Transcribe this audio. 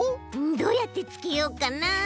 どうやってつけようかな。